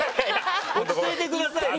落ち着いてくださいね。